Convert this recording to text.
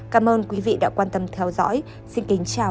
cảm ơn quý vị đã quan tâm theo dõi xin kính chào và hẹn gặp lại